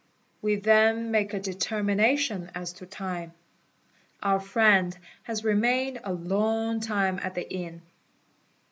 We then make a determination as to time; our friend has remained a 0 g tume at the inn.